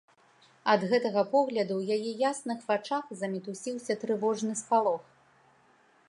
Ад гэтага погляду ў яе ясных вачах замітусіўся трывожны спалох.